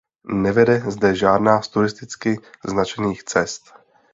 Nevede zde žádná z turisticky značených cest.